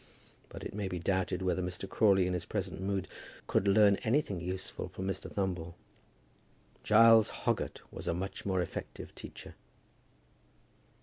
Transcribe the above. But it may be doubted whether Mr. Crawley in his present mood could learn anything useful from Mr. Thumble. Giles Hoggett was a much more effective teacher.